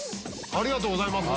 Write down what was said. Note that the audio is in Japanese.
ありがとうございます。